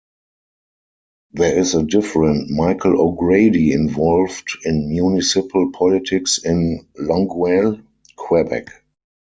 There is a different Michael O'Grady involved in municipal politics in Longueil, Quebec.